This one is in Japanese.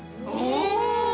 お！